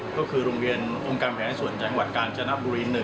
ก็คือโรงเรียนองค์การแผนส่วนจังหวัดกาญจนบุรี๑